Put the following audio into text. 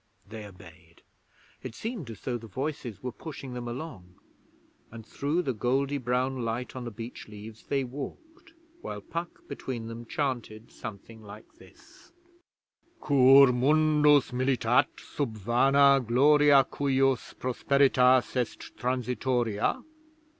They obeyed; it seemed as though the voices were pushing them along; and through the goldy brown light on the beech leaves they walked, while Puck between them chanted something like this: 'Cur mundus militat sub vana gloria Cujus prosperitas est transitoria?